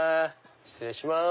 失礼します。